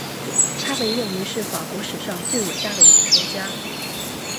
他被认为是法国史上最伟大的演说家。